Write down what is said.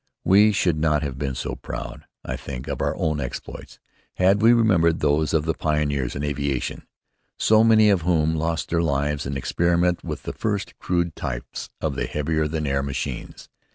We should not have been so proud, I think, of our own little exploits, had we remembered those of the pioneers in aviation, so many of whom lost their lives in experiment with the first crude types of the heavier than air machines.